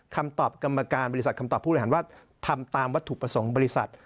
คำตอบกรรมการบริษัทคำตอบผู้บริหารว่าทำตามวัตถุประสงค์บริษัท